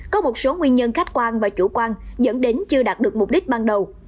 có một số nguyên nhân khách quan và chủ quan dẫn đến chưa đạt được mục đích ban đầu